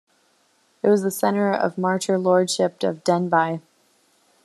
It was the centre of the Marcher Lordship of Denbigh.